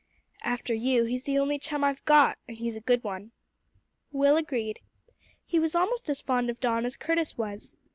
After you, he's the only chum I've got and he's a good one." Will agreed. He was almost as fond of Don as Curtis was.